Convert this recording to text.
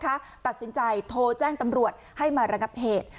ตัดสินใจโทรแจ้งตำรวจให้มาระงับเหตุ